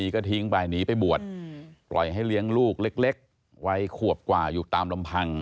ก็ทิ้งไปหนีไปบวชปล่อยให้เลี้ยงลูกเล็กวัยขวบกว่าอยู่ตามลำพัง